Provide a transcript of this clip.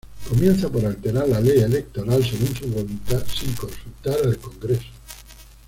Comienza por alterar la ley electoral según su voluntad, sin consultar al Congreso.